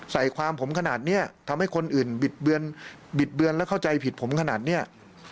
ใส่ความผมขนาดนี้ทำให้คนอื่นบิดเบือนและเข้าใจผิดผมขนาดเนี้ย